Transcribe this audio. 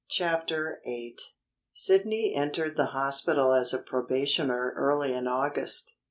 CHAPTER VIII Sidney entered the hospital as a probationer early in August.